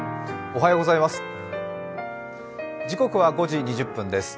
おはようございます。